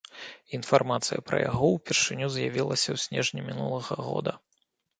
Інфармацыя пра яго ўпершыню з'явілася ў снежні мінулага года.